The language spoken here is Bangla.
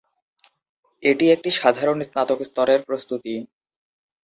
এটি একটি সাধারণ স্নাতক স্তরের প্রস্তুতি।